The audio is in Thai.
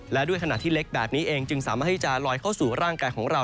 และด้วยขณะที่เล็กแบบนี้เองจึงสามารถที่จะลอยเข้าสู่ร่างกายของเรา